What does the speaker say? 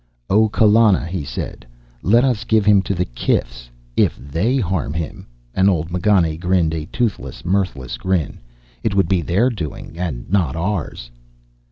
"O Kallana," he said, "Let us give him to the kifs. If they harm him " and old M'Ganne grinned a toothless, mirthless grin " it would be their doing and not ours."